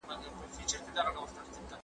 د چاپ مهال د ساینسي کچ او میچ په مټ معلومیږي.